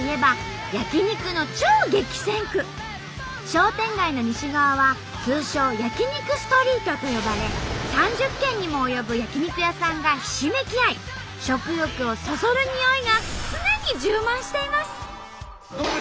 商店街の西側は通称「焼き肉ストリート」と呼ばれ３０軒にも及ぶ焼き肉屋さんがひしめき合い食欲をそそるにおいが常に充満しています。